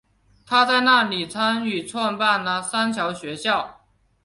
她在那里参与创办了三桥学校。